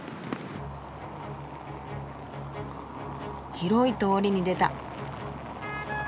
広い通りに出た。